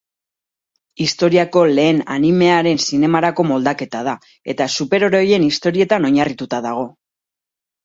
Historiako lehen animearen zinemarako moldaketa da, eta superheroien istorioetan oinarrituta dago.